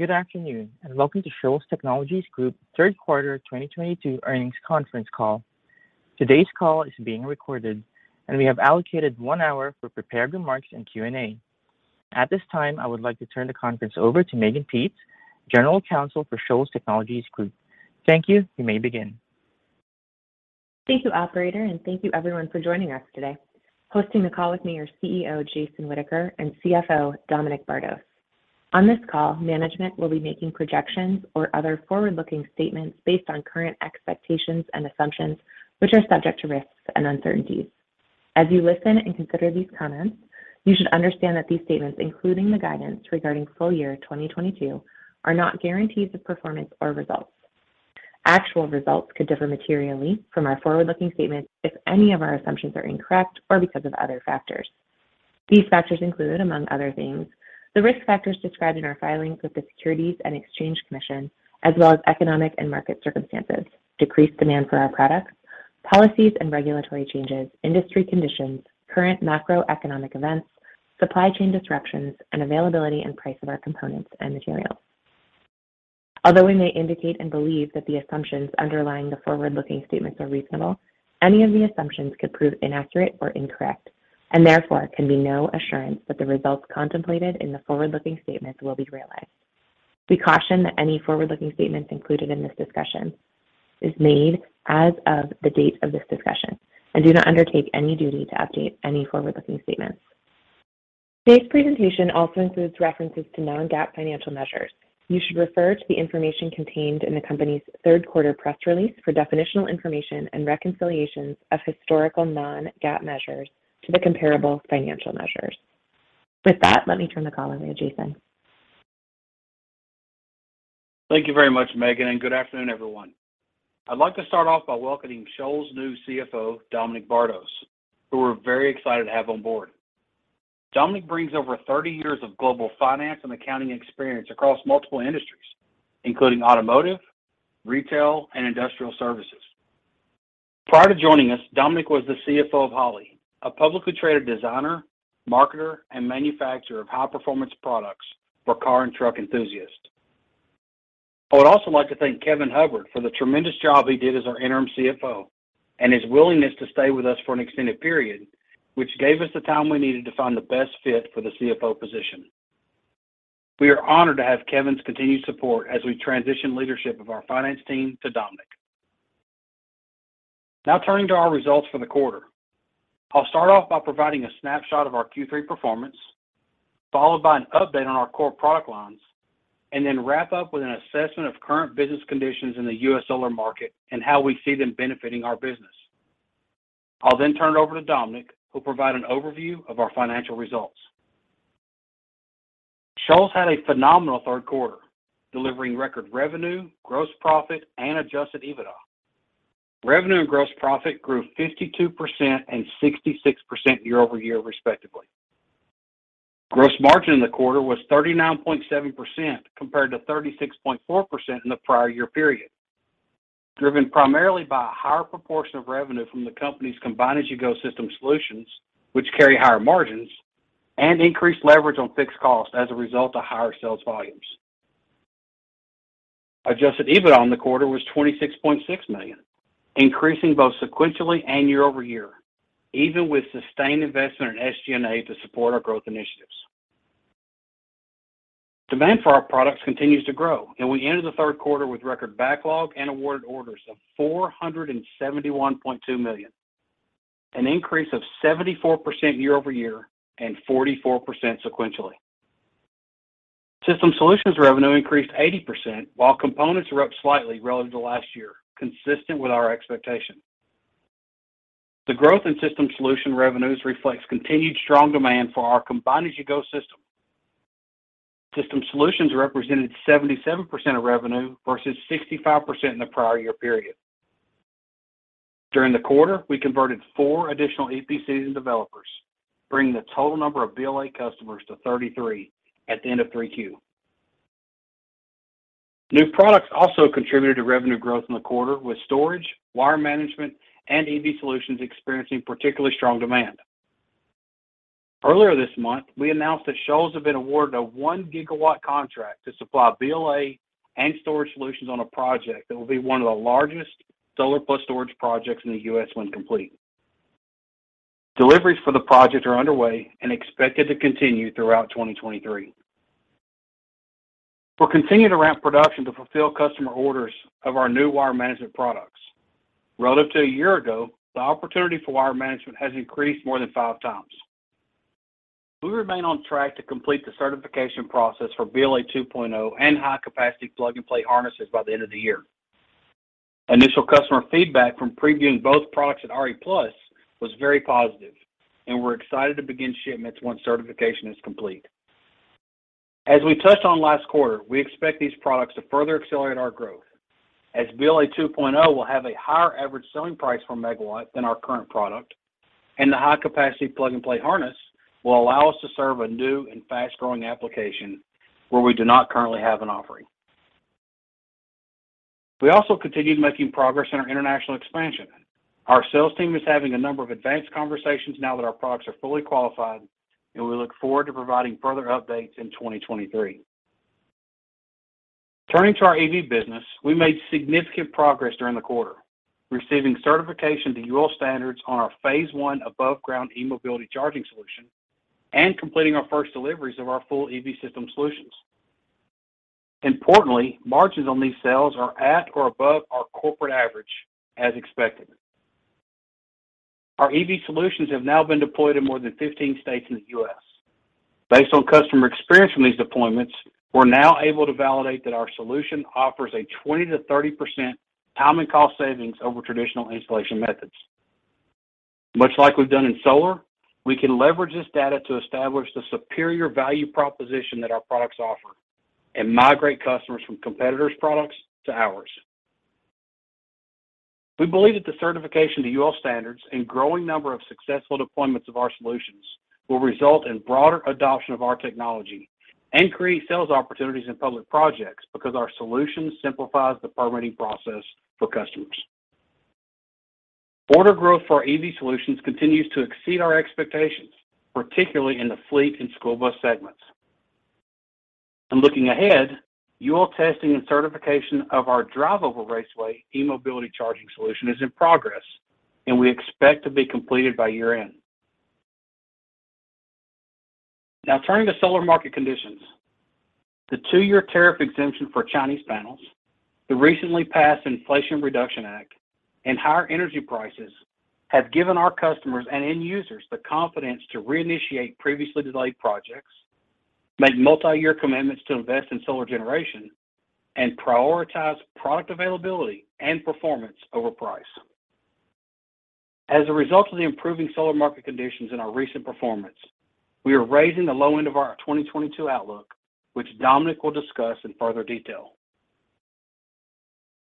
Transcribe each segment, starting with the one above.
Good afternoon, and welcome to Shoals Technologies Group Q3 2022 earnings conference call. Today's call is being recorded, and we have allocated one hour for prepared remarks and Q&A. At this time, I would like to turn the conference over to Mehgan Peetz, General Counsel for Shoals Technologies Group. Thank you. You may begin. Thank you, operator, and thank you everyone for joining us today. Hosting the call with me are CEO Jason Whitaker and CFO Dominic Bardos. On this call, management will be making projections or other forward-looking statements based on current expectations and assumptions, which are subject to risks and uncertainties. As you listen and consider these comments, you should understand that these statements, including the guidance regarding full year 2022, are not guarantees of performance or results. Actual results could differ materially from our forward-looking statements if any of our assumptions are incorrect or because of other factors. These factors include, among other things, the risk factors described in our filings with the Securities and Exchange Commission, as well as economic and market circumstances, decreased demand for our products, policies and regulatory changes, industry conditions, current macroeconomic events, supply chain disruptions, and availability and price of our components and materials. Although we may indicate and believe that the assumptions underlying the forward-looking statements are reasonable, any of the assumptions could prove inaccurate or incorrect, and therefore can be no assurance that the results contemplated in the forward-looking statements will be realized. We caution that any forward-looking statements included in this discussion is made as of the date of this discussion and do not undertake any duty to update any forward-looking statements. Today's presentation also includes references to non-GAAP financial measures. You should refer to the information contained in the company's Q3 press release for definitional information and reconciliations of historical non-GAAP measures to the comparable financial measures. With that, let me turn the call over to Jason. Thank you very much, Mehgan, and good afternoon, everyone. I'd like to start off by welcoming Shoals' new CFO, Dominic Bardos, who we're very excited to have on board. Dominic brings over 30 years of global finance and accounting experience across multiple industries, including automotive, retail, and industrial services. Prior to joining us, Dominic was the CFO of Holley, a publicly traded designer, marketer, and manufacturer of high-performance products for car and truck enthusiasts. I would also like to thank Kevin Hubbard for the tremendous job he did as our interim CFO and his willingness to stay with us for an extended period, which gave us the time we needed to find the best fit for the CFO position. We are honored to have Kevin's continued support as we transition leadership of our finance team to Dominic. Now turning to our results for the quarter. I'll start off by providing a snapshot of our Q3 performance, followed by an update on our core product lines, and then wrap up with an assessment of current business conditions in the U.S. solar market and how we see them benefiting our business. I'll then turn it over to Dominic, who'll provide an overview of our financial results. Shoals had a phenomenal Q3, delivering record revenue, gross profit, and adjusted EBITDA. Revenue and gross profit grew 52% and 66% year-over-year, respectively. Gross margin in the quarter was 39.7% compared to 36.4% in the prior year period, driven primarily by a higher proportion of revenue from the company's Combine-As-You-Go system solutions, which carry higher margins and increased leverage on fixed costs as a result of higher sales volumes. Adjusted EBITDA on the quarter was $26.6 million, increasing both sequentially and year-over-year, even with sustained investment in SG&A to support our growth initiatives. Demand for our products continues to grow, and we ended the Q3 with record backlog and awarded orders of $471.2 million, an increase of 74% year-over-year and 44% sequentially. System solutions revenue increased 80%, while components were up slightly relative to last year, consistent with our expectations. The growth in system solution revenues reflects continued strong demand for our Combine-As-You-Go system. System solutions represented 77% of revenue versus 65% in the prior year period. During the quarter, we converted four additional EPCs and developers, bringing the total number of BLA customers to 33 at the end of Q3 New products also contributed to revenue growth in the quarter with storage, wire management, and EV solutions experiencing particularly strong demand. Earlier this month, we announced that Shoals have been awarded a 1 GW contract to supply BLA and storage solutions on a project that will be one of the largest solar plus storage projects in the U.S. when complete. Deliveries for the project are underway and expected to continue throughout 2023. We're continuing to ramp production to fulfill customer orders of our new wire management products. Relative to a year ago, the opportunity for wire management has increased more than five times. We remain on track to complete the certification process for BLA 2.0 and high-capacity plug-and-play harnesses by the end of the year. Initial customer feedback from previewing both products at RE+ was very positive, and we're excited to begin shipments once certification is complete. As we touched on last quarter, we expect these products to further accelerate our growth as BLA 2.0 will have a higher average selling price per MW than our current product, and the high-capacity plug-n-play harness will allow us to serve a new and fast-growing application where we do not currently have an offering. We also continued making progress in our international expansion. Our sales team is having a number of advanced conversations now that our products are fully qualified, and we look forward to providing further updates in 2023. Turning to our EV business, we made significant progress during the quarter, receiving certification to UL standards on our phase one above ground eMobility charging solution and completing our first deliveries of our full EV system solutions. Importantly, margins on these sales are at or above our corporate average as expected. Our EV solutions have been deployed in more than 15 states in the U.S. Based on customer experience from these deployments, we're now able to validate that our solution offers a 20%-30% time and cost savings over traditional installation methods. Much like we've done in solar, we can leverage this data to establish the superior value proposition that our products offer and migrate customers from competitors products to ours. We believe that the certification to UL standards and growing number of successful deployments of our solutions will result in broader adoption of our technology and create sales opportunities in public projects because our solution simplifies the permitting process for customers. Order growth for our EV solutions continues to exceed our expectations, particularly in the fleet and school bus segments. Looking ahead, UL testing and certification of our drive-over raceway eMobility charging solution is in progress, and we expect to be completed by year-end. Now turning to solar market conditions. The two-year tariff exemption for Chinese panels, the recently passed Inflation Reduction Act and higher energy prices have given our customers and end users the confidence to reinitiate previously delayed projects, make multi-year commitments to invest in solar generation and prioritize product availability and performance over price. As a result of the improving solar market conditions in our recent performance, we are raising the low end of our 2022 outlook, which Dominic will discuss in further detail.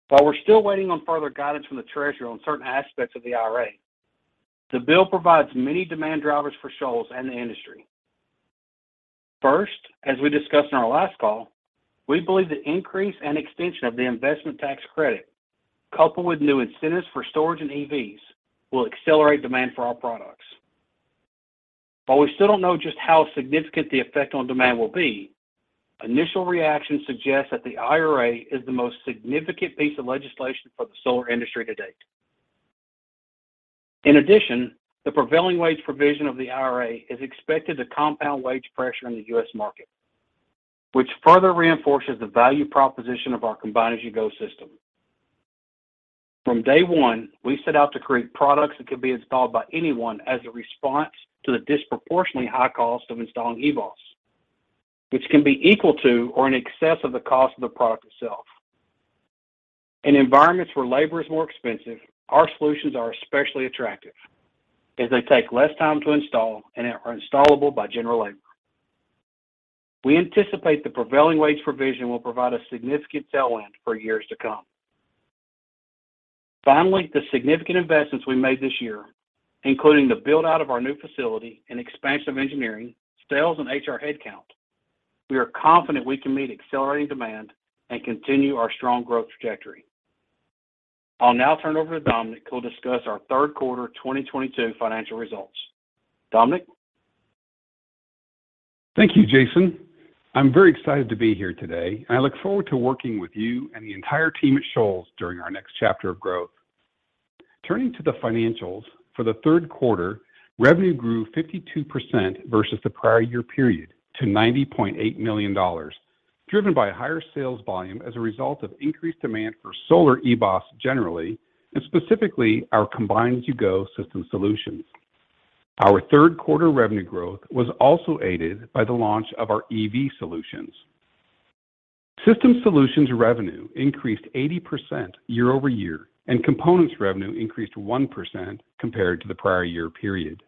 While we're still waiting on further guidance from the Treasury on certain aspects of the IRA, the bill provides many demand drivers for Shoals and the industry. First, as we discussed in our last call, we believe the increase and extension of the Investment Tax Credit, coupled with new incentives for storage and EVs, will accelerate demand for our products. While we still don't know just how significant the effect on demand will be, initial reactions suggest that the IRA is the most significant piece of legislation for the solar industry to date. In addition, the prevailing wage provision of the IRA is expected to compound wage pressure in the U.S. market, which further reinforces the value proposition of our Combine-As-You-Go system. From day one, we set out to create products that could be installed by anyone as a response to the disproportionately high cost of installing EBOS, which can be equal to or in excess of the cost of the product itself. In environments where labor is more expensive, our solutions are especially attractive as they take less time to install and are installable by general labor. We anticipate the prevailing wage provision will provide a significant tailwind for years to come. Finally, the significant investments we made this year, including the build-out of our new facility and expansion of engineering, sales and HR headcount, we are confident we can meet accelerating demand and continue our strong growth trajectory. I'll now turn over to Dominic, who will discuss our Q3 2022 financial results. Dominic. Thank you, Jason. I'm very excited to be here today, and I look forward to working with you and the entire team at Shoals during our next chapter of growth. Turning to the financials, for the Q3, revenue grew 52% versus the prior year period to $90.8 million, driven by higher sales volume as a result of increased demand for solar EBOS generally, and specifically our Combine-As-You-Go system solutions. Our Q3 revenue growth was also aided by the launch of our EV solutions. System solutions revenue increased 80% year-over-year, and components revenue increased 1% compared to the prior year period.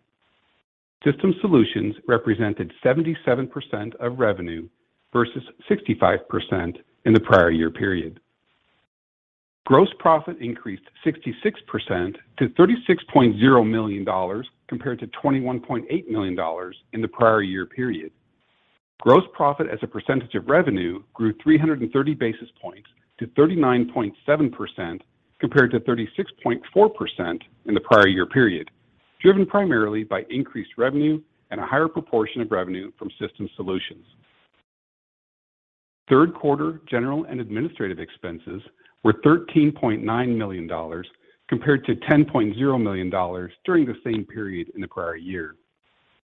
System solutions represented 77% of revenue versus 65% in the prior year period. Gross profit increased 66% to $36.0 million compared to $21.8 million in the prior year period. Gross profit as a percentage of revenue grew 330 basis points to 39.7% compared to 36.4% in the prior year period, driven primarily by increased revenue and a higher proportion of revenue from system solutions. Q3 general and administrative expenses were $13.9 million compared to $10.0 million during the same period in the prior year.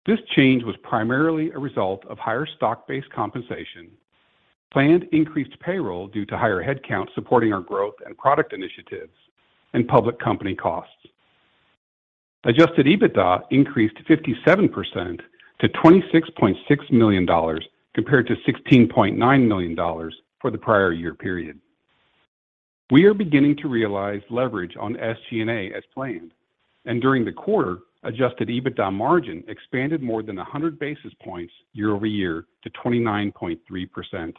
This change was primarily a result of higher stock-based compensation, planned increased payroll due to higher headcount supporting our growth and product initiatives and public company costs. Adjusted EBITDA increased 57% to $26.6 million compared to $16.9 million for the prior year period. We are beginning to realize leverage on SG&A as planned, and during the quarter, adjusted EBITDA margin expanded more than 100 basis points year-over-year to 29.3%.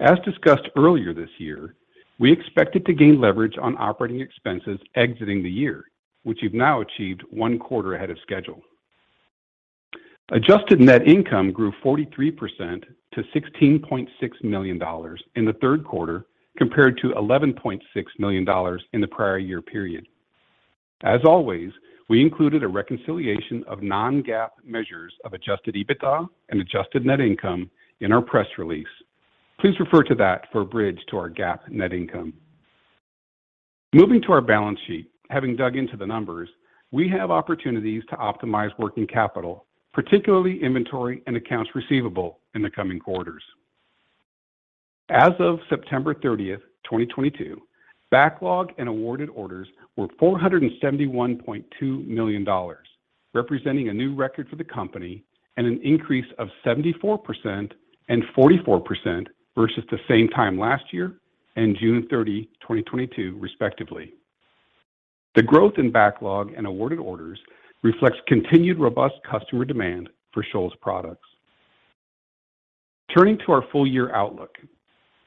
As discussed earlier this year, we expected to gain leverage on operating expenses exiting the year, which we've now achieved one quarter ahead of schedule. Adjusted net income grew 43% to $16.6 million in the Q3, compared to $11.6 million in the prior year period. As always, we included a reconciliation of non-GAAP measures of adjusted EBITDA and adjusted net income in our press release. Please refer to that for a bridge to our GAAP net income. Moving to our balance sheet, having dug into the numbers, we have opportunities to optimize working capital, particularly inventory and accounts receivable, in the coming quarters. As of September 30th, 2022, backlog and awarded orders were $471.2 million, representing a new record for the company and an increase of 74% and 44% versus the same time last year and June 30, 2022 respectively. The growth in backlog and awarded orders reflects continued robust customer demand for Shoals' products. Turning to our full year outlook.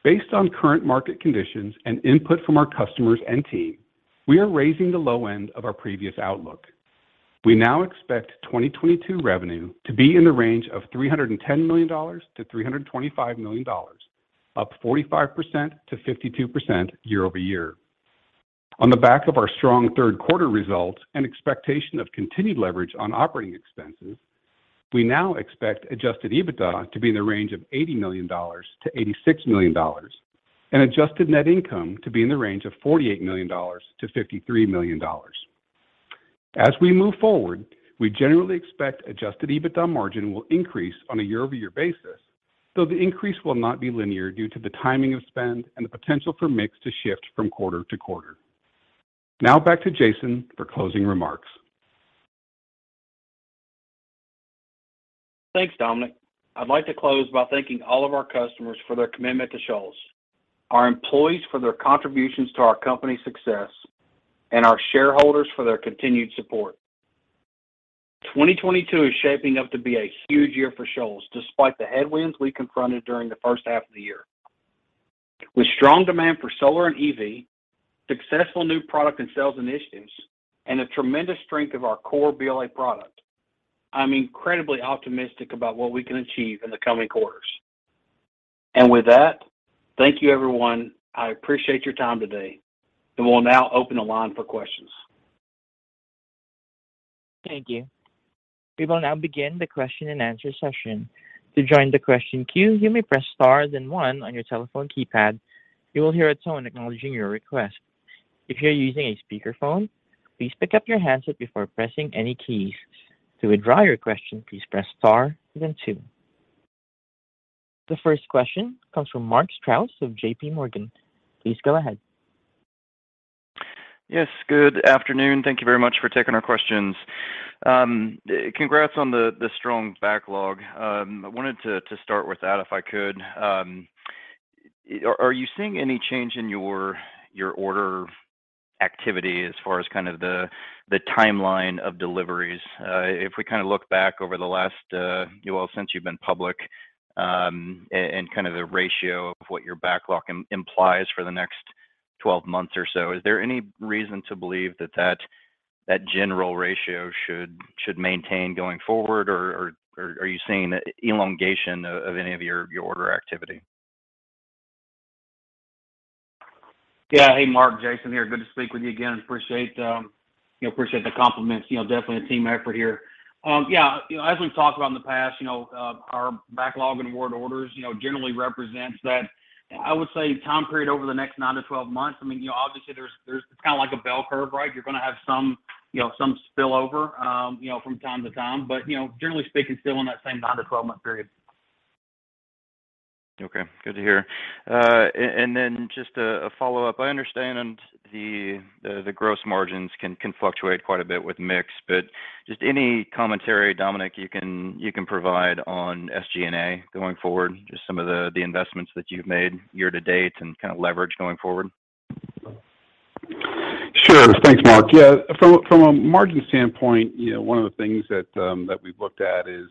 Based on current market conditions and input from our customers and team, we are raising the low end of our previous outlook. We now expect 2022 revenue to be in the range of $310 million-$325 million, up 45%-52% year-over-year. On the back of our strong Q3 results and expectation of continued leverage on operating expenses, we now expect adjusted EBITDA to be in the range of $80 million-$86 million and adjusted net income to be in the range of $48 million-$53 million. As we move forward, we generally expect adjusted EBITDA margin will increase on a year-over-year basis, though the increase will not be linear due to the timing of spend and the potential for mix to shift from quarter-to-quarter. Now back to Jason for closing remarks. Thanks, Dominic. I'd like to close by thanking all of our customers for their commitment to Shoals, our employees for their contributions to our company success, and our shareholders for their continued support. 2022 is shaping up to be a huge year for Shoals, despite the headwinds we confronted during the first half of the year. With strong demand for solar and EV, successful new product and sales initiatives, and a tremendous strength of our core BLA product, I'm incredibly optimistic about what we can achieve in the coming quarters. With that, thank you, everyone. I appreciate your time today, and we'll now open the line for questions. Thank you. We will now begin the question-and-answer session. To join the question queue, you may press star then one on your telephone keypad. You will hear a tone acknowledging your request. If you're using a speakerphone, please pick up your handset before pressing any keys. To withdraw your question, please press star, then two. The first question comes from Mark Strouse of JPMorgan. Please go ahead. Yes, good afternoon. Thank you very much for taking our questions. Congrats on the strong backlog. I wanted to start with that if I could. Are you seeing any change in your order activity as far as kind of the timeline of deliveries? If we kinda look back over the last, well, since you've been public, and kind of the ratio of what your backlog implies for the next 12 months or so, is there any reason to believe that general ratio should maintain going forward, or are you seeing elongation of any of your order activity? Yeah. Hey, Mark. Jason here. Good to speak with you again. Appreciate the compliments, you know. Definitely a team effort here. Yeah, you know, as we've talked about in the past, you know, our backlog and award orders, you know, generally represents that, I would say, time period over the next nine to 12 months. I mean, you know, obviously there's kinda like a bell curve, right? You're gonna have some, you know, some spill over, you know, from time to time. You know, generally speaking, still in that same nine to 12-month period. Okay. Good to hear. Just a follow-up. I understand the gross margins can fluctuate quite a bit with mix, but just any commentary, Dominic, you can provide on SG&A going forward, just some of the investments that you've made year-to-date and kinda leverage going forward? Sure. Thanks, Mark. Yeah. From a margin standpoint, you know, one of the things that we've looked at is,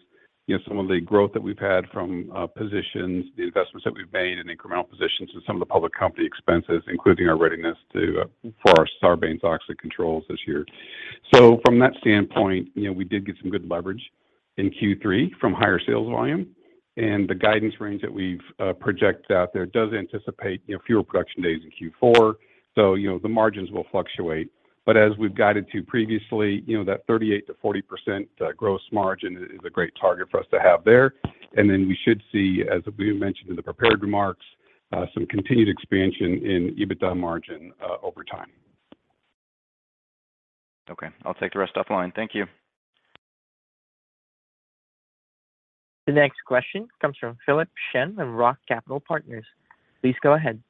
you know, some of the growth that we've had from positions, the investments that we've made in incremental positions and some of the public company expenses, including our readiness for our Sarbanes-Oxley controls this year. From that standpoint, you know, we did get some good leverage in Q3 from higher sales volume. The guidance range that we've projected out there does anticipate, you know, fewer production days in Q4. The margins will fluctuate. As we've guided to previously, you know, that 38%-40% gross margin is a great target for us to have there. We should see, as we mentioned in the prepared remarks, some continued expansion in EBITDA margin over time. Okay. I'll take the rest offline. Thank you. The next question comes from Philip Shen of ROTH Capital Partners. Please go ahead.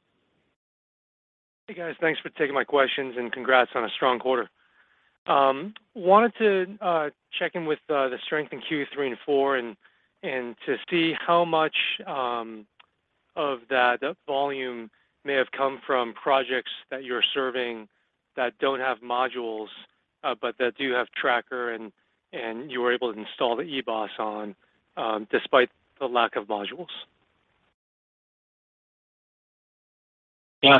Hey, guys. Thanks for taking my questions, and congrats on a strong quarter. Wanted to check in with the strength in Q3 and Q4 and to see how much of that volume may have come from projects that you're serving that don't have modules, but that do have tracker and you were able to install the EBOS on, despite the lack of modules? Yeah,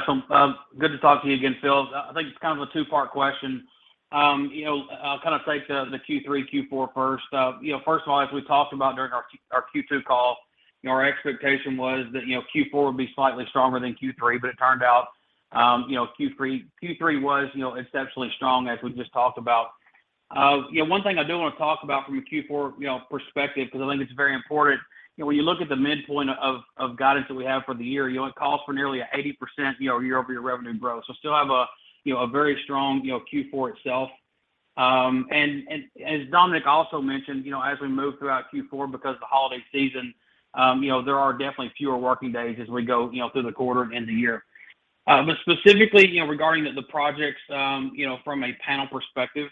good to talk to you again, Phil. I think it's kind of a two-part question. You know, I'll kind of take the Q3, Q4 first. You know, first of all, as we talked about during our Q2 call, you know, our expectation was that you know, Q4 would be slightly stronger than Q3, but it turned out you know, Q3 was exceptionally strong, as we just talked about. You know, one thing I do wanna talk about from a Q4 perspective, 'cause I think it's very important, you know, when you look at the midpoint of guidance that we have for the year, you know, it calls for nearly 80% year-over-year revenue growth. Still have a very strong Q4 itself. As Dominic also mentioned, you know, as we move throughout Q4 because of the holiday season, you know, there are definitely fewer working days as we go, you know, through the quarter and the year. Specifically, you know, regarding the projects, you know, from a panel perspective,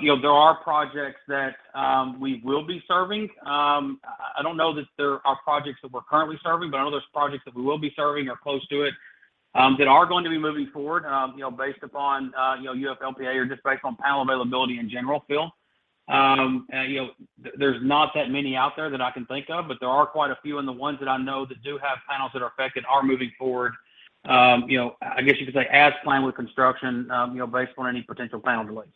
you know, there are projects that we will be serving. I don't know that there are projects that we're currently serving, but I know there's projects that we will be serving or close to it, that are going to be moving forward, you know, based upon, you know, UFLPA or just based on panel availability in general, Phil. You know, there's not that many out there that I can think of, but there are quite a few, and the ones that I know that do have panels that are affected are moving forward. I guess you could say as planned with construction, based on any potential panel delays.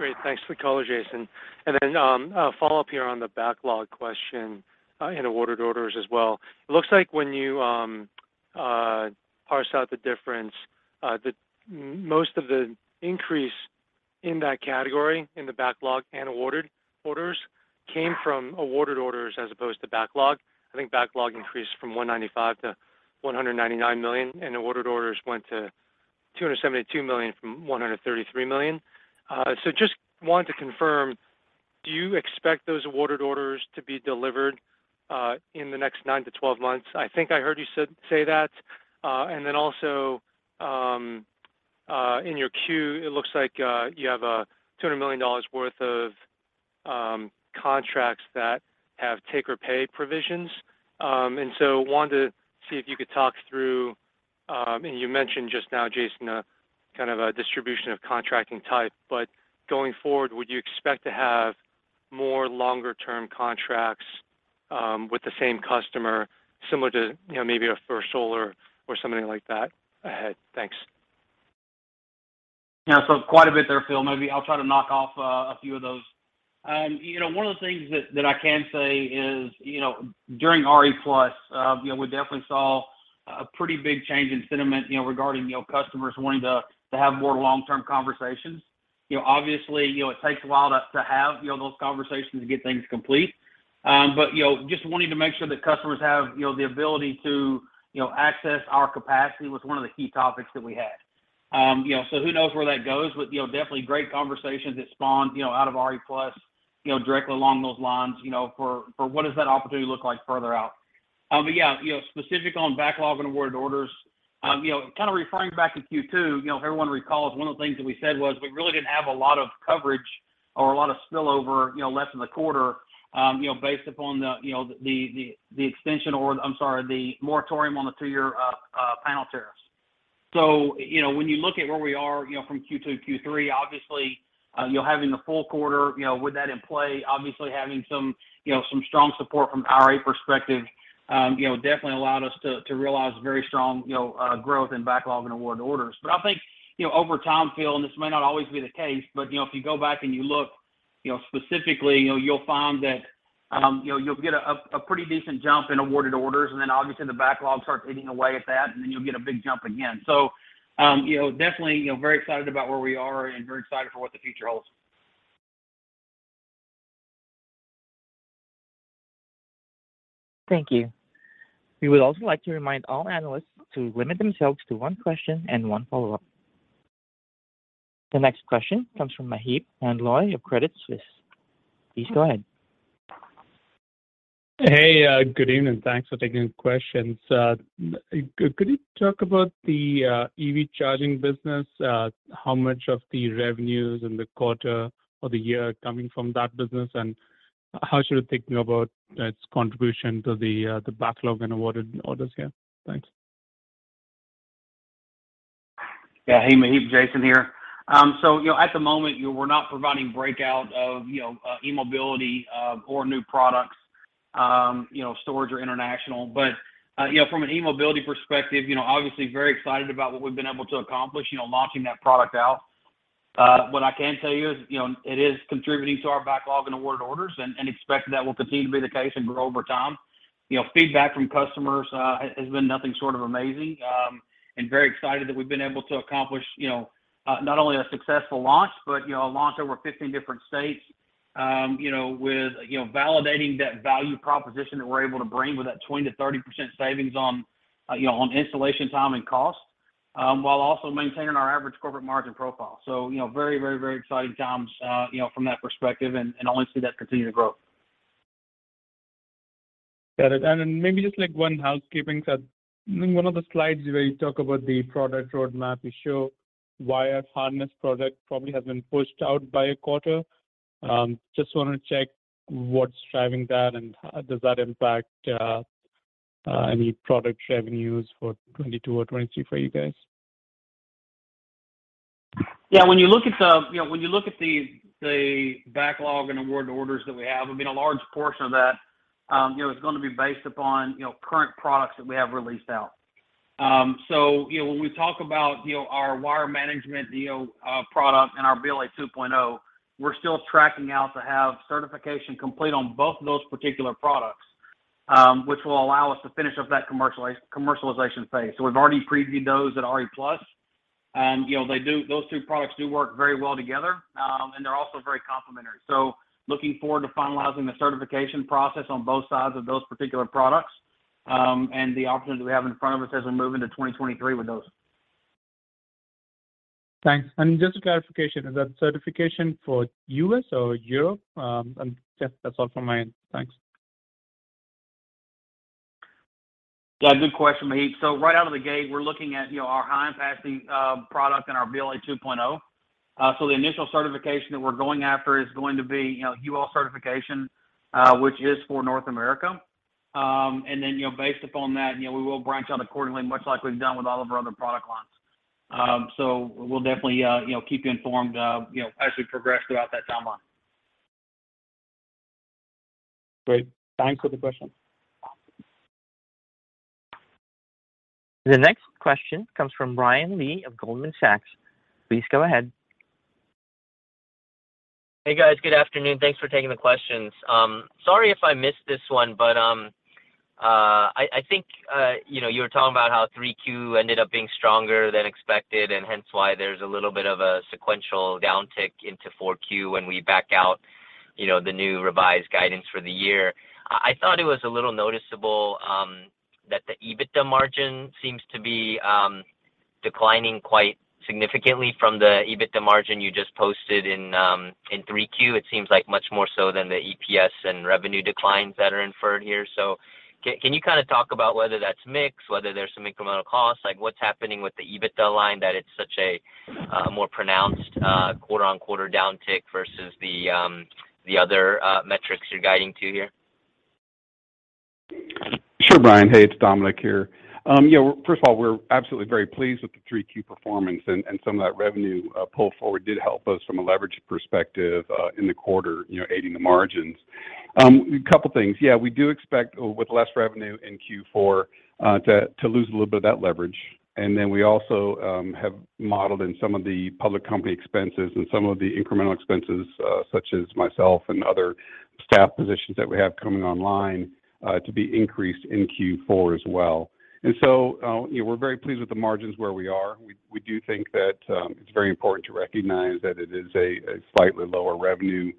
Great. Thanks for the call, Jason. A follow-up here on the backlog question, and awarded orders as well. It looks like when you parse out the difference, that most of the increase in that category, in the backlog and awarded orders came from awarded orders as opposed to backlog. I think backlog increased from $195 million to $199 million, and awarded orders went to $272 million from $133 million. Just wanted to confirm, do you expect those awarded orders to be delivered in the next nine to 12 months? I think I heard you say that. In your queue, it looks like you have $200 million worth of contracts that have take or pay provisions. Wanted to see if you could talk through. You mentioned just now, Jason, a kind of a distribution of contracting type, but going forward, would you expect to have more longer-term contracts with the same customer similar to, you know, maybe a First Solar or something like that ahead? Thanks. Yeah. Quite a bit there, Phil. Maybe I'll try to knock off a few of those. You know, one of the things that I can say is, you know, during RE+, you know, we definitely saw a pretty big change in sentiment, you know, regarding, you know, customers wanting to have more long-term conversations. You know, obviously, you know, it takes a while to have, you know, those conversations to get things complete. You know, just wanting to make sure that customers have, you know, the ability to, you know, access our capacity was one of the key topics that we had. You know, who knows where that goes, but you know, definitely great conversations that spawned, you know, out of RE+, you know, directly along those lines, you know, for what does that opportunity look like further out? Yeah, you know, specific on backlog and awarded orders, you know, kind of referring back to Q2, you know, if everyone recalls, one of the things that we said was we really didn't have a lot of coverage or a lot of spillover, you know, less than a quarter, you know, based upon the moratorium on the two-year panel tariffs. You know, when you look at where we are, you know, from Q2 to Q3, obviously, you know, having the full quarter, you know, with that in play, obviously having some, you know, some strong support from an IRA perspective, you know, definitely allowed us to realize very strong, you know, growth in backlog and awarded orders. I think, you know, over time, Phil, and this may not always be the case, but, you know, if you go back and you look, you know, specifically, you know, you'll find that, you know, you'll get a pretty decent jump in awarded orders, and then obviously the backlog starts eating away at that, and then you'll get a big jump again. You know, definitely, you know, very excited about where we are and very excited for what the future holds. Thank you. We would also like to remind all analysts to limit themselves to one question and one follow-up. The next question comes from Maheep Mandloi of Credit Suisse. Please go ahead. Hey, good evening. Thanks for taking the questions. Could you talk about the EV charging business? How much of the revenues in the quarter or the year are coming from that business, and how should I think about its contribution to the backlog and awarded orders here? Thanks. Yeah. Hey, Maheep. Jason here. You know, at the moment, you know, we're not providing breakout of, you know, eMobility, or new products, you know, storage or international. You know, from an eMobility perspective, you know, obviously very excited about what we've been able to accomplish, you know, launching that product out. What I can tell you is, you know, it is contributing to our backlog and awarded orders and expect that will continue to be the case and grow over time. You know, feedback from customers has been nothing short of amazing, and very excited that we've been able to accomplish, you know, not only a successful launch, but, you know, a launch over 15 different states, you know, with, you know, validating that value proposition that we're able to bring with that 20%-30% savings on installation time and cost, while also maintaining our average corporate margin profile. You know, very exciting times, you know, from that perspective and only see that continue to grow. Got it. Maybe just like one housekeeping. In one of the slides where you talk about the product roadmap, you show wire harness product probably has been pushed out by a quarter. Just wanna check what's driving that and does that impact any product revenues for 2022 or 2023 for you guys? Yeah, when you look at the backlog and award orders that we have, I mean, a large portion of that, you know, is gonna be based upon, you know, current products that we have released out. When we talk about, you know, our wire management, you know, product and our BLA 2.0, we're still tracking out to have certification complete on both of those particular products, which will allow us to finish up that commercialization phase. We've already previewed those at RE+, and, you know, those two products do work very well together, and they're also very complementary. Looking forward to finalizing the certification process on both sides of those particular products, and the opportunities we have in front of us as we move into 2023 with those. Thanks. Just a clarification, is that certification for U.S. or Europe? Yeah, that's all from my end. Thanks. Yeah, good question, Maheep. Right out of the gate, we're looking at, you know, our high-capacity product and our BLA 2.0. The initial certification that we're going after is going to be, you know, UL certification, which is for North America. You know, based upon that, you know, we will branch out accordingly, much like we've done with all of our other product lines. We'll definitely, you know, keep you informed, you know, as we progress throughout that timeline. Great. Thanks for the question. The next question comes from Brian Lee of Goldman Sachs. Please go ahead. Hey, guys. Good afternoon. Thanks for taking the questions. Sorry if I missed this one, but I think, you know, you were talking about how Q3 ended up being stronger than expected, and hence why there's a little bit of a sequential downtick into Q4 when we back out, you know, the new revised guidance for the year. I thought it was a little noticeable that the EBITDA margin seems to be declining quite significantly from the EBITDA margin you just posted in Q3. It seems like much more so than the EPS and revenue declines that are inferred here. Can you kind of talk about whether that's mix, whether there's some incremental costs? Like, what's happening with the EBITDA line that it's such a more pronounced quarter-on-quarter downtick versus the other metrics you're guiding to here? Sure, Brian Lee. Hey, it's Dominic here. Yeah, first of all, we're absolutely very pleased with the Q3 performance, and some of that revenue pull forward did help us from a leverage perspective in the quarter, you know, aiding the margins. A couple things. We do expect with less revenue in Q4 to lose a little bit of that leverage. We also have modeled in some of the public company expenses and some of the incremental expenses, such as myself and other staff positions that we have coming online to be increased in Q4 as well. You know, we're very pleased with the margins where we are. We do think that it's very important to recognize that it is a slightly lower revenue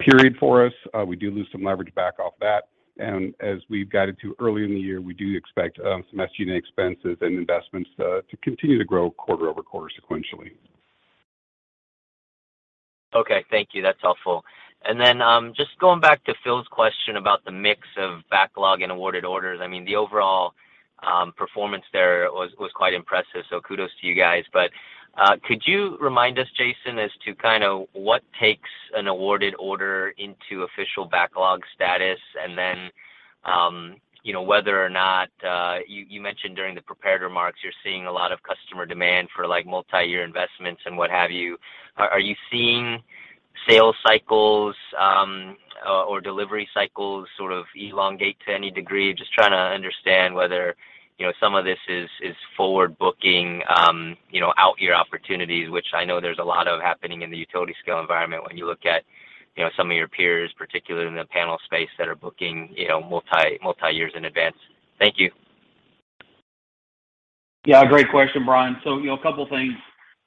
period for us. We do lose some leverage back off that. As we've guided to earlier in the year, we do expect some SG&A expenses and investments to continue to grow quarter-over-quarter sequentially. Okay. Thank you. That's helpful. Just going back to Philip's question about the mix of backlog and awarded orders. I mean, the overall performance there was quite impressive, so kudos to you guys. Could you remind us, Jason, as to kind of what takes an awarded order into official backlog status? You know, whether or not you mentioned during the prepared remarks you're seeing a lot of customer demand for, like, multiyear investments and what have you. Are you seeing sales cycles or delivery cycles sort of elongate to any degree? Just trying to understand whether, you know, some of this is forward booking, you know, out year opportunities, which I know there's a lot of happening in the utility scale environment when you look at, you know, some of your peers, particularly in the panel space, that are booking, you know, multi-multi years in advance. Thank you. Yeah, great question, Brian. You know, a couple things.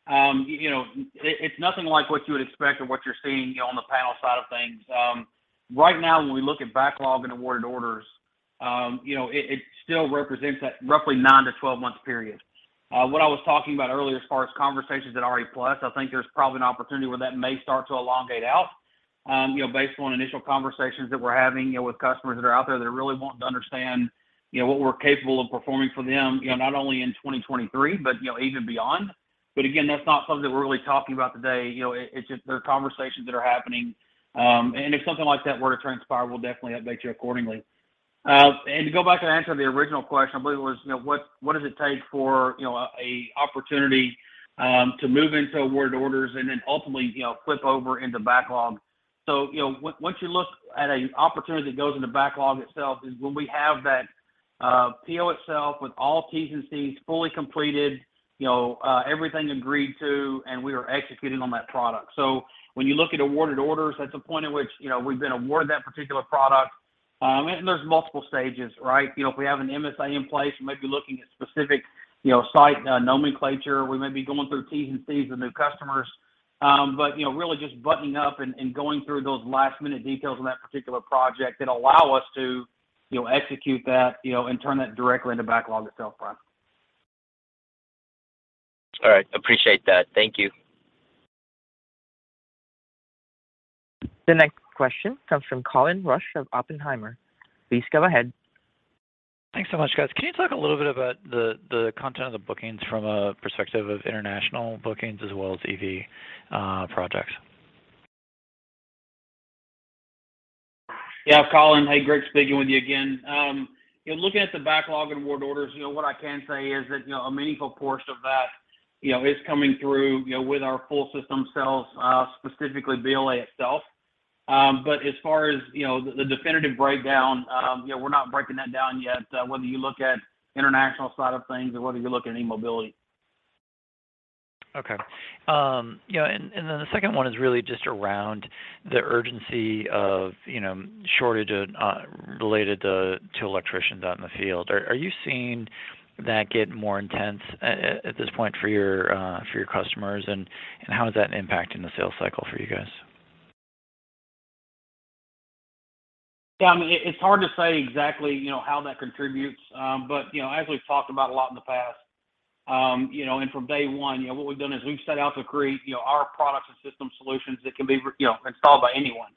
It's nothing like what you would expect or what you're seeing, you know, on the panel side of things. Right now, when we look at backlog and awarded orders, you know, it still represents that roughly nine to 12 months period. What I was talking about earlier as far as conversations at RE+, I think there's probably an opportunity where that may start to elongate out, you know, based on initial conversations that we're having, you know, with customers that are out there that really want to understand, you know, what we're capable of performing for them, you know, not only in 2023, but, you know, even beyond. But again, that's not something that we're really talking about today. You know, it's just there are conversations that are happening. If something like that were to transpire, we'll definitely update you accordingly. To go back and answer the original question, I believe it was, you know, what does it take for, you know, an opportunity to move into awarded orders and then ultimately, you know, flip over into backlog. Once you look at an opportunity that goes into backlog itself is when we have that PO itself with all T's and C's fully completed, you know, everything agreed to, and we are executing on that product. When you look at awarded orders, that's a point at which, you know, we've been awarded that particular product. There's multiple stages, right? You know, if we have an MSA in place, we may be looking at specific, you know, site nomenclature. We may be going through T's and C's with new customers. You know, really just buttoning up and going through those last minute details on that particular project that allow us to, you know, execute that, you know, and turn that directly into backlog itself, Brian. All right. Appreciate that. Thank you. The next question comes from Colin Rusch of Oppenheimer. Please go ahead. Thanks so much, guys. Can you talk a little bit about the content of the bookings from a perspective of international bookings as well as EV projects? Yeah, Colin. Hey, great speaking with you again. In looking at the backlog and award orders, you know, what I can say is that, you know, a meaningful portion of that, you know, is coming through, you know, with our full system sales, specifically BLA itself. But as far as, you know, the definitive breakdown, you know, we're not breaking that down yet, whether you look at international side of things or whether you look at eMobility. Okay. You know, and then the second one is really just around the urgency of, you know, shortage related to electricians out in the field. Are you seeing that get more intense at this point for your customers, and how is that impacting the sales cycle for you guys? Yeah, I mean, it's hard to say exactly, you know, how that contributes. You know, as we've talked about a lot in the past, you know, and from day one, you know, what we've done is we've set out to create, you know, our products and system solutions that can be installed by anyone.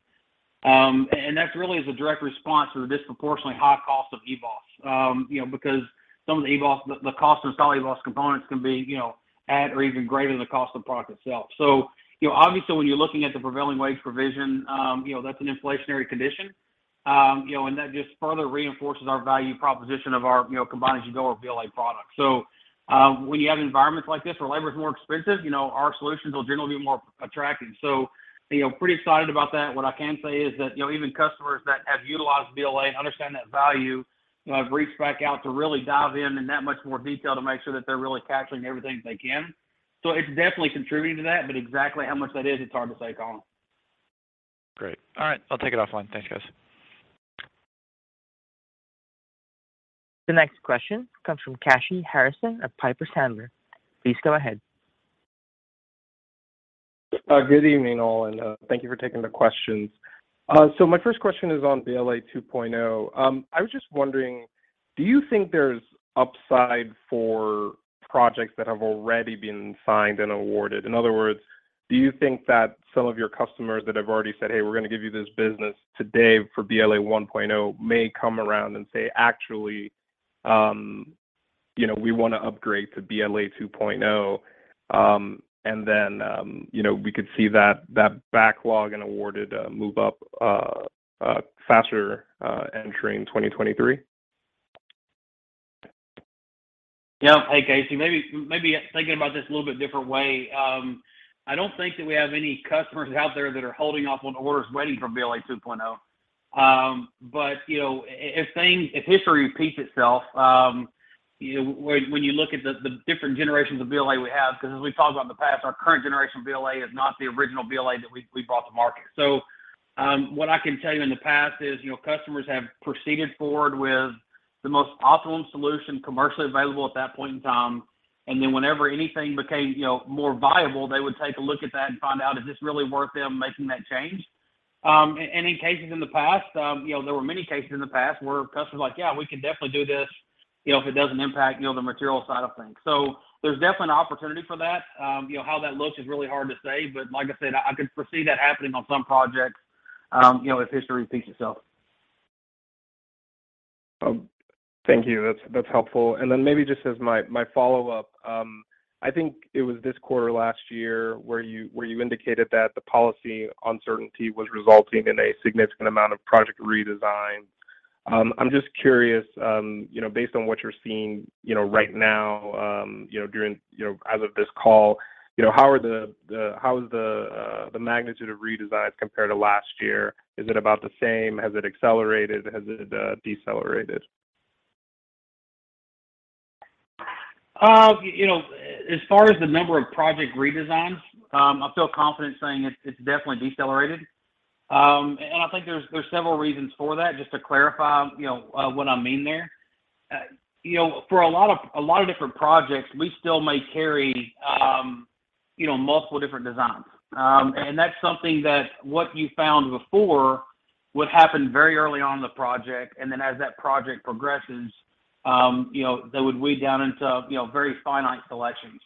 And that really is a direct response to the disproportionately high cost of EBOS. You know, because some of the EBOS, the cost of installing EBOS components can be, you know, at or even greater than the cost of the product itself. You know, obviously when you're looking at the prevailing wage provision, you know, that's an inflationary condition. You know, and that just further reinforces our value proposition of our, you know, Combine-As-You-Go or BLA product. When you have environments like this where labor's more expensive, you know, our solutions will generally be more attractive. You know, pretty excited about that. What I can say is that, you know, even customers that have utilized BLA understand that value, you know, have reached back out to really dive in that much more detail to make sure that they're really capturing everything they can. It's definitely contributing to that, but exactly how much that is, it's hard to say, Colin. Great. All right, I'll take it offline. Thanks, guys. The next question comes from Kashy Harrison of Piper Sandler. Please go ahead. Good evening, all, and thank you for taking the questions. My first question is on BLA 2.0. I was just wondering, do you think there's upside for projects that have already been signed and awarded? In other words, do you think that some of your customers that have already said, "Hey, we're gonna give you this business today for BLA 1.0," may come around and say, "Actually, you know, we wanna upgrade to BLA 2.0"? And then, you know, we could see that backlog and awarded move up faster entering 2023? Yeah. Hey, Kashy. Maybe thinking about this a little bit different way. I don't think that we have any customers out there that are holding off on orders waiting for BLA 2.0. You know, if history repeats itself, you know, when you look at the different generations of BLA we have, 'cause as we've talked about in the past, our current generation of BLA is not the original BLA that we brought to market. What I can tell you in the past is, you know, customers have proceeded forward with the most optimum solution commercially available at that point in time, and then whenever anything became, you know, more viable, they would take a look at that and find out, is this really worth them making that change? In cases in the past, you know, there were many cases in the past where customers were like, "Yeah, we can definitely do this, you know, if it doesn't impact, you know, the material side of things." There's definitely an opportunity for that. You know, how that looks is really hard to say, but like I said, I could foresee that happening on some projects, you know, if history repeats itself. Thank you. That's helpful. Maybe just as my follow-up, I think it was this quarter last year where you indicated that the policy uncertainty was resulting in a significant amount of project redesign. I'm just curious, you know, based on what you're seeing, you know, right now, you know, as of this call, you know, how is the magnitude of redesigns compared to last year? Is it about the same? Has it accelerated? Has it decelerated? You know, as far as the number of project redesigns, I feel confident saying it's definitely decelerated. I think there's several reasons for that. Just to clarify, you know, what I mean there. You know, for a lot of different projects, we still may carry, you know, multiple different designs. That's something that what you found before would happen very early on in the project, and then as that project progresses, you know, that would weed down into, you know, very finite selections.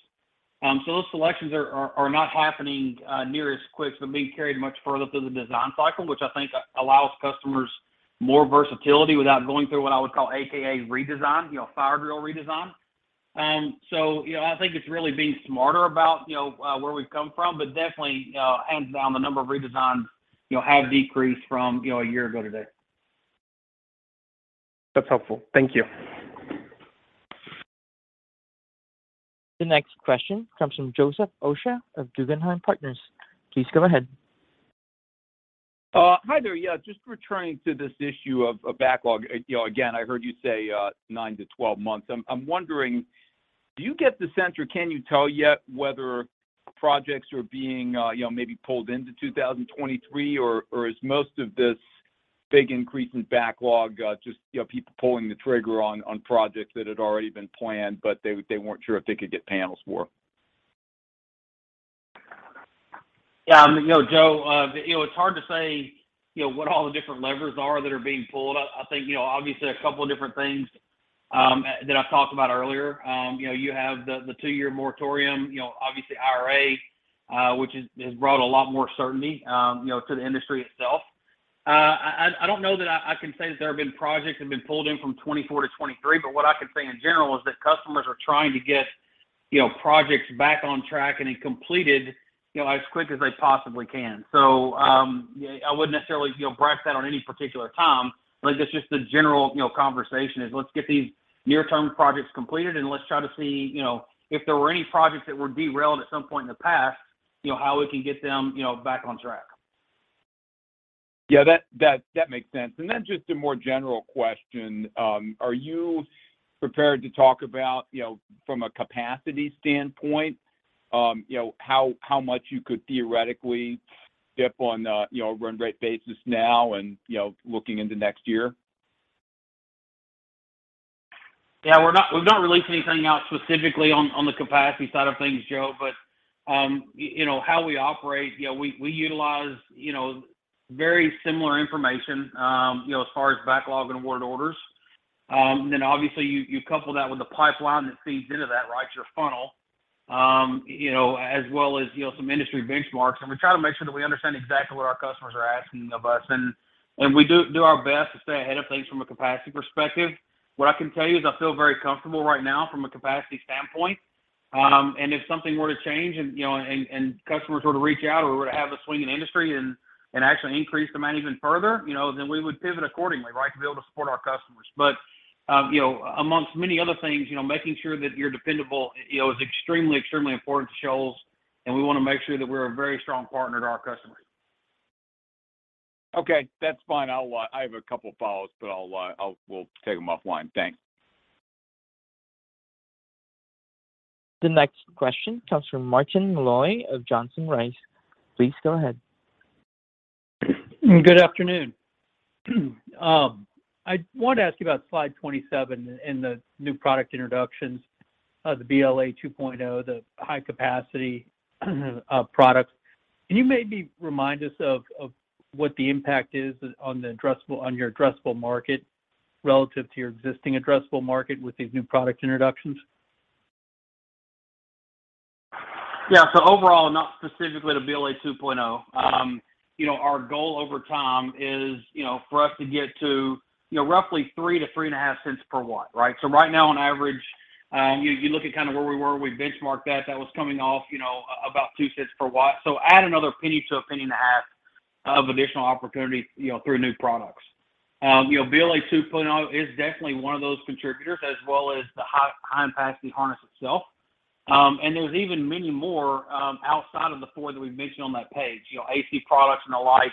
Those selections are not happening near as quick. They're being carried much further through the design cycle, which I think allows customers more versatility without going through what I would call aka redesign, you know, fire drill redesign. You know, I think it's really being smarter about, you know, where we've come from, but definitely hands down the number of redesigns, you know, have decreased from, you know, a year ago today. That's helpful. Thank you. The next question comes from Joseph Osha of Guggenheim Partners. Please go ahead. Hi there. Just returning to this issue of backlog. You know, again, I heard you say nine to 12 months. I'm wondering, do you get the sense or can you tell yet whether projects are being, you know, maybe pulled into 2023, or is most of this big increase in backlog just, you know, people pulling the trigger on projects that had already been planned but they weren't sure if they could get panels for? Yeah. You know, Joe, you know, it's hard to say, you know, what all the different levers are that are being pulled. I think, you know, obviously a couple of different things, that I've talked about earlier. You know, you have the two-year moratorium, you know, obviously IRA, which has brought a lot more certainty, you know, to the industry itself. I don't know that I can say that there have been projects that have been pulled in from 2024 to 2023, but what I can say in general is that customers are trying to get projects back on track and then completed, you know, as quick as they possibly can. yeah, I wouldn't necessarily, you know, bracket that on any particular time, but it's just the general, you know, conversation is let's get these near-term projects completed, and let's try to see, you know, if there were any projects that were derailed at some point in the past, you know, how we can get them, you know, back on track. Yeah, that makes sense. Just a more general question. Are you prepared to talk about, you know, from a capacity standpoint, you know, how much you could theoretically dip on a, you know, run rate basis now and, you know, looking into next year? Yeah. We've not released anything out specifically on the capacity side of things, Joe, but you know how we operate, you know, we utilize, you know, very similar information, you know, as far as backlog and award orders. Then obviously you couple that with the pipeline that feeds into that, right? Your funnel. You know, as well as, you know, some industry benchmarks, and we try to make sure that we understand exactly what our customers are asking of us and we do our best to stay ahead of things from a capacity perspective. What I can tell you is I feel very comfortable right now from a capacity standpoint. If something were to change and, you know, customers were to reach out or we were to have a swing in industry and actually increase demand even further, you know, then we would pivot accordingly, right? To be able to support our customers. You know, amongst many other things, you know, making sure that you're dependable, you know, is extremely important to Shoals, and we wanna make sure that we're a very strong partner to our customers. Okay, that's fine. I have a couple follows, but we'll take them offline. Thanks. The next question comes from Martin Malloy of Johnson Rice. Please go ahead. Good afternoon. I wanted to ask you about Slide 27 in the new product introductions of the BLA 2.0, the high-capacity products. Can you maybe remind us of what the impact is on your addressable market relative to your existing addressable market with these new product introductions? Yeah. Overall, not specifically the BLA 2.0, you know, our goal over time is, you know, for us to get to, you know, roughly $0.03-$0.035 per watt, right? Right now on average, you look at kind of where we were, we benchmarked that was coming off, you know, about $0.02 per watt. Add another $0.01-$0.015 of additional opportunity, you know, through new products. You know, BLA 2.0 is definitely one of those contributors, as well as the high capacity harness itself. There's even many more outside of the four that we've mentioned on that page. You know, AC products and the like,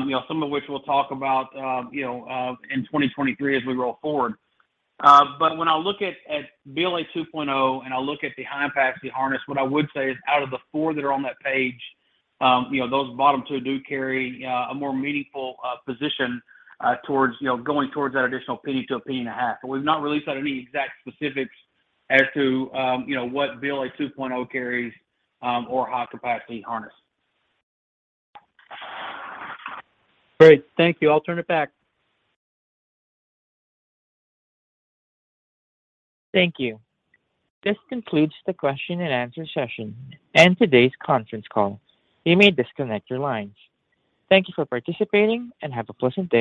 you know, some of which we'll talk about, you know, in 2023 as we roll forward. When I look at BLA 2.0 and I look at the high-capacity harness, what I would say is out of the four that are on that page, you know, those bottom two do carry, a more meaningful, position, towards, you know, going towards that additional penny to a penny and a half. We've not released any exact specifics as to, you know, what BLA 2.0 carries, or high-capacity harness. Great. Thank you. I'll turn it back. Thank you. This concludes the question and answer session and today's conference call. You may disconnect your lines. Thank you for participating and have a pleasant day.